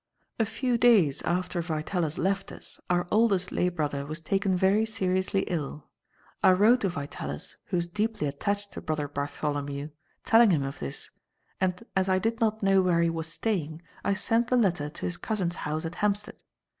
"A few days after Vitalis left us, our oldest lay brother was taken very seriously ill. I wrote to Vitalis, who was deeply attached to Brother Bartholomew, telling him of this, and, as I did not know where he was staying, I sent the letter to his cousin's house at Hampstead.